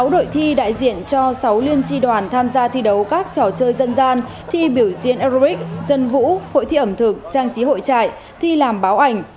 sáu đội thi đại diện cho sáu liên tri đoàn tham gia thi đấu các trò chơi dân gian thi biểu diễn arics dân vũ hội thi ẩm thực trang trí hội trại thi làm báo ảnh